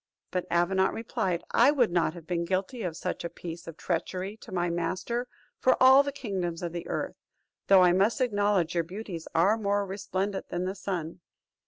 But Avenant replied, "I would not have been guilty of such a piece of treachery to my master for all the kingdoms of the earth; though I must acknowledge your beauties are more resplendent than the sun."